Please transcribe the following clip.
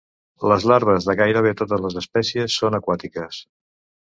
Les larves de gairebé totes les espècies són aquàtiques.